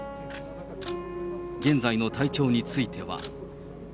現在の体調については。